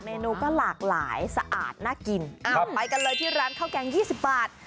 นูก็หลากหลายสะอาดน่ากินไปกันเลยที่ร้านข้าวแกง๒๐บาท